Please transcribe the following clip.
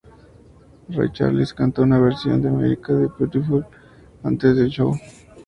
Ray Charles cantó una versión de "America The Beautiful" antes del show.